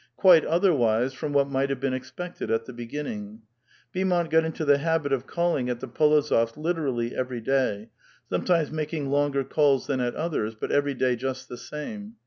Quite otherwise from what might have been expected at the beginning. Beaumont got into the habit of calling at the P61ozofs' literally every da}', sometimes making longer calls than at others, but every day just the same.